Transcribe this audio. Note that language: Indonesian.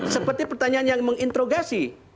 seperti pertanyaan yang mengintrogasi